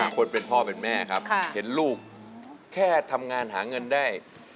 คนเป็นพ่อเป็นแม่ครับเห็นลูกแค่ทำงานหาเงินได้